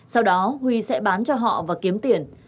sau đó huy sẽ bán cho họ và kiếm tiền